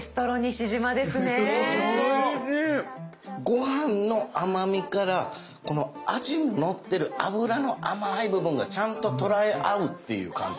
ご飯の甘みからこのアジに乗ってる脂の甘い部分がちゃんと捉え合うっていう感じですね。